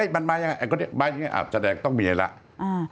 มันมาอย่างนี้อาจจะแสดงต้องมีเลย